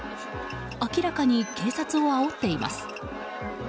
明らかに警察をあおっています。